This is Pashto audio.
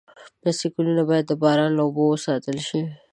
بایسکلونه باید د باران له اوبو وساتل شي.